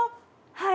はい。